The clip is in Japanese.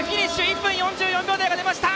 １分４４秒台が出ました！